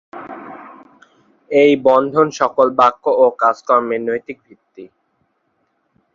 এই বন্ধন সকল বাক্য ও কাজকর্মের নৈতিক ভিত্তি।